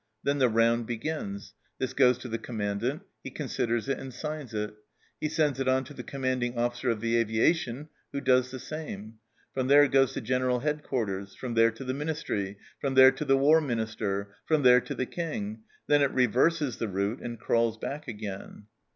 Then the round begins. This goes to the Com mandant ; he considers it and signs it. He sends it on to the Commanding Officer of the Aviation, who does the same. From there it goes to General Headquarters. From there to the Ministry. From there to the War Minister. From there to the King. Then it reverses the route and crawls back again."